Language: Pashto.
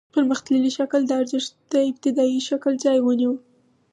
پرمختللي شکل د ارزښت د ابتدايي شکل ځای ونیو